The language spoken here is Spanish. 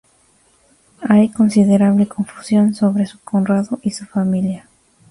Hay considerable confusión sobre Conrado y su familia.